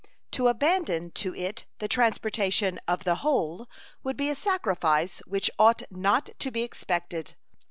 To abandon to it the transportation of the whole would be a sacrifice which ought not to be expected.